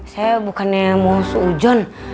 saya bukannya mau seujon